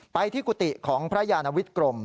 ไปที่กุฏิของพระยานวิทย์กรม